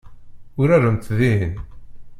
Uraremt dihin.